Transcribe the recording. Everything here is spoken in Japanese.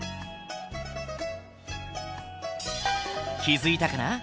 気付いたかな？